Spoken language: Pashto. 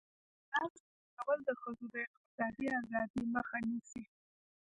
د میراث نه ورکول د ښځو د اقتصادي ازادۍ مخه نیسي.